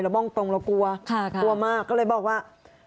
เรามองตรงเรากลัวค่ะค่ะกลัวมากก็เลยบอกว่า